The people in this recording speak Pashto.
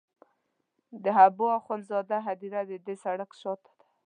د حبو اخند زاده هدیره د دې سړک شاته ده.